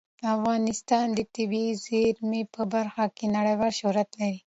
افغانستان د طبیعي زیرمې په برخه کې نړیوال شهرت لري.